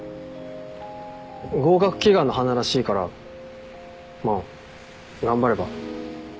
合格祈願の花らしいからまあ頑張れば？